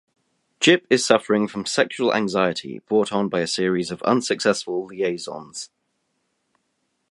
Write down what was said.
Jip is suffering from sexual anxiety brought on by a series of unsuccessful liaisons.